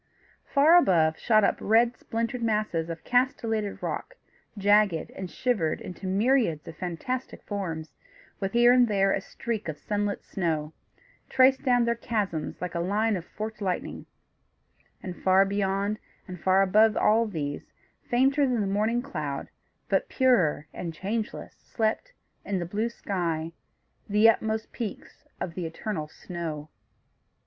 Far above, shot up red splintered masses of castellated rock, jagged and shivered into myriads of fantastic forms, with here and there a streak of sunlit snow, traced down their chasms like a line of forked lightning; and, far beyond, and far above all these, fainter than the morning cloud, but purer and changeless, slept, in the blue sky, the utmost peaks of the eternal snow.